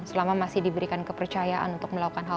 selama masih diberikan kepercayaan untuk melakukan hal